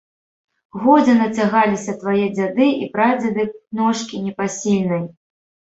Годзе нацягаліся твае дзяды і прадзеды ношкі непасільнай!